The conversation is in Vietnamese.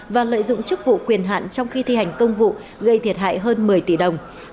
và lợi dụng chức vụ quyền hạn trong khi thi hành công vụ gây thiệt hại hơn một mươi tỷ đồng